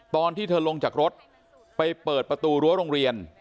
ตอนที่เธอลงจากรถไปเปิดประตูรั้วโรงเรียน